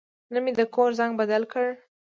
نن مې د کور زنګ بدل کړ.